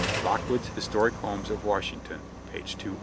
(Lockwood's Historic Homes of Washington, page 202.)